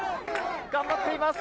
頑張っています。